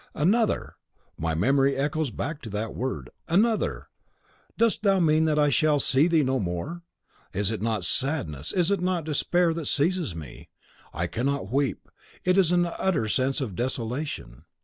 .... "ANOTHER! my memory echoes back that word. Another! Dost thou mean that I shall see thee no more? It is not sadness, it is not despair that seizes me. I cannot weep. It is an utter sense of desolation.